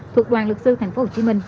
thuộc đoàn luật sư tp hcm